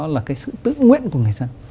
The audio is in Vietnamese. là cái sự tự nguyện của người israel